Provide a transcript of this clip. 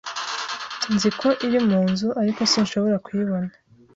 Nzi ko iri mu nzu, ariko sinshobora kuyibona.